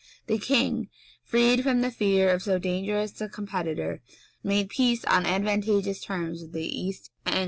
[*] The king, freed from the fear of so dangerous a competitor, made peace on advantageous terms with the East Angles.